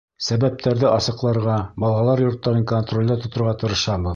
Сәбәптәрҙе асыҡларға, балалар йорттарын контролдә тоторға тырышабыҙ.